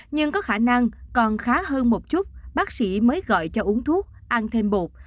nhưng có khả năng còn khá hơn một chút bác sĩ mới gọi cho uống thuốc ăn thêm bột